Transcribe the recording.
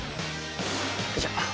よいしょ。